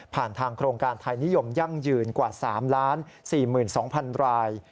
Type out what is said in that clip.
ทางโครงการไทยนิยมยั่งยืนกว่า๓๔๒๐๐๐ราย